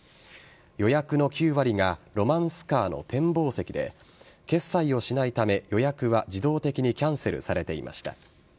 予約の９割がロマンスカーの展望席で決済をしないため予約は自動的にキャンセルされていました。